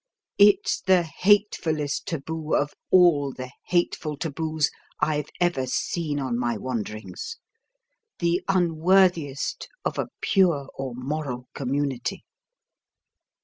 It's the hatefullest taboo of all the hateful taboos I've ever seen on my wanderings, the unworthiest of a pure or moral community."